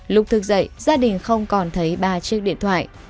lúc thực dậy gia đình không còn thấy ba chiếc điện thoại